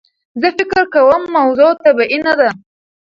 زه فکر کوم موضوع طبیعي نده.